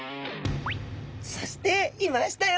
そしていましたよ！